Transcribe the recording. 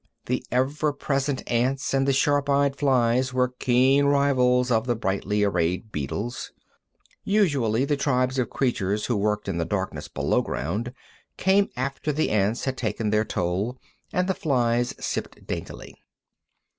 The ever present ants and the sharp eyed flies were keen rivals of the brightly arrayed beetles. Usually the tribes of creatures who worked in the darkness below ground came after the ants had taken their toll, and the flies sipped daintily.